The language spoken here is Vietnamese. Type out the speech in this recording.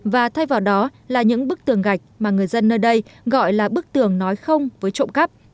và thay vào đó là những bức tường gạch mà người dân nơi đây gọi là bức tường nói không với trộm cắp